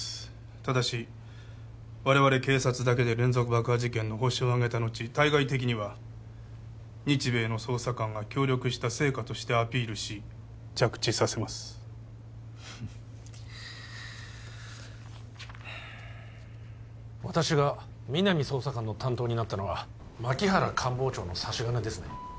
ただし我々警察だけで連続爆破事件のホシをあげた後対外的には日米の捜査官が協力した成果としてアピールし着地させますフフッ私が皆実捜査官の担当になったのは槇原官房長の差し金ですね？